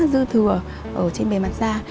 dư thừa trên bề mặt da